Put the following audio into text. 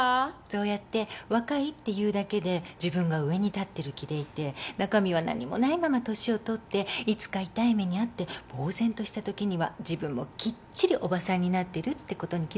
そうやって若いっていうだけで自分が上に立ってる気でいて中身は何もないまま年を取っていつか痛い目に遭ってぼう然としたときには自分もきっちりおばさんになってるってことに気付くのよ。